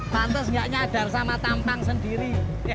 pantas nggak nyadar sama tampang sendiri